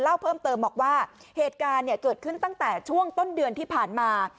เล่าเพิ่มเติมบอกว่าเหตุการณ์เนี่ยเกิดขึ้นตั้งแต่ช่วงต้นเดือนที่ผ่านมา